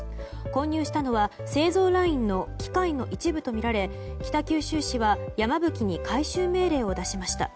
混入したのは製造ラインの機械の一部とみられ北九州市は山吹に回収命令を出しました。